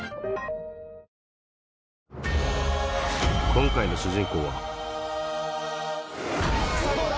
今回の主人公はさぁどうだ？